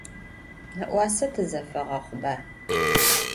Ne'uase tızefeğexhuba?